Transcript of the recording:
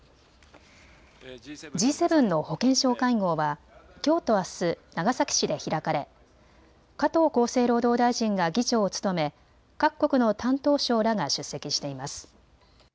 Ｇ７の保健相会合はきょうとあす長崎市で開かれ加藤厚生労働大臣が議長を務め各国の担当相らが出席しています。